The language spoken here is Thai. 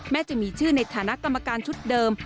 แม้จะมีชื่อในฐานะตำรวจชุดเดิม